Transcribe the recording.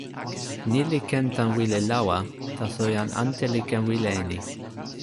ni li ken tan wile lawa, taso jan ante li ken wile e ni.